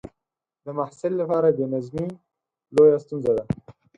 د محصل لپاره بې نظمي لویه ستونزه ده.